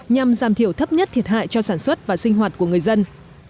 nhằm giảm thiểu thấp nhất thiệt hại cho sản xuất và sinh hoạt của người dân